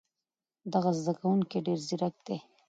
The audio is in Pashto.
دغه زده کوونکی ډېر ځیرک دی.